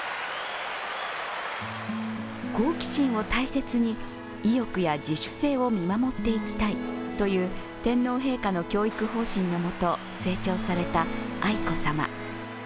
好奇心を大切に、意欲や自主性を見守っていきたいという天皇陛下の教育方針のもと成長された愛子さま。